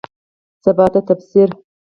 سباته ده تفسیر